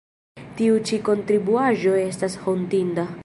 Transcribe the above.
Tiu ĉi kontribuaĵo estas hontinda.